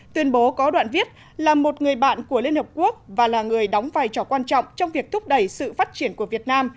tuyên bố có đoạn viết là một người bạn của liên hợp quốc và là người đóng vai trò quan trọng trong việc thúc đẩy sự phát triển của việt nam